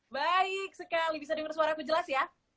baik sekali bisa dengar suara aku jelas ya